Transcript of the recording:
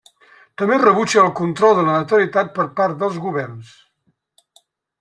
També rebutja el control de la natalitat per part dels governs.